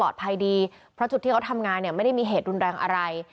ที่ได้คุยตอนนี้ก็ปลอดภัยดีเพราะจุดที่เขาทำงานเนี่ยไม่ได้มีเหตุรุนแรงอะไร